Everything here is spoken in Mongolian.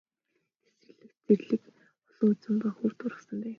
Цэцэрлэгт зэрлэг усан үзэм ба хөвд ургасан байв.